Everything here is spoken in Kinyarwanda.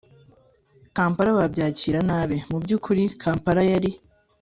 i kampala babyakira nabi. mu by'ukuri kampala yari